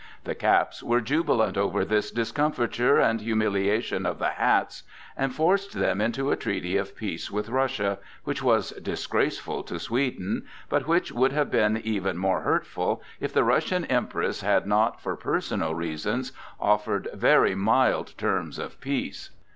The "caps" were jubilant over this discomfiture and humiliation of the "hats" and forced them into a treaty of peace with Russia, which was disgraceful to Sweden, but which would have been even more hurtful if the Russian Empress had not for personal reasons offered very mild terms of peace.